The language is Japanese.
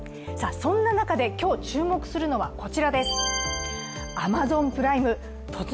そんな中で今日、注目するのはこちらです。